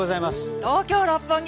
東京・六本木